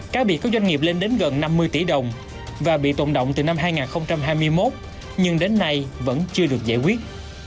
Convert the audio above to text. cá biệt có doanh nghiệp lên đến gần năm mươi tỷ đồng và bị tồn động từ năm hai nghìn hai mươi một nhưng đến nay vẫn chưa được giải quyết